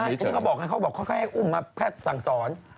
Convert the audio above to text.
ใช่เพราะนี่เขาบอกไงเขาบอกเขาแค่ให้อุ้มมาแค่สั่งสอน